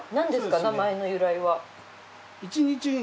名前の由来は。